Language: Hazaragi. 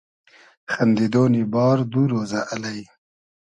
خئندیدۉنی بار دو رۉزۂ الݷ